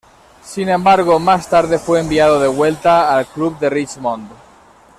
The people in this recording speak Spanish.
Sin embargo más tarde fue enviado de vuelta al club de Richmond.